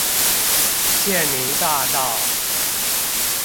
縣民大道